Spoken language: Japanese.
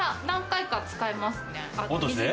何回か使えますね。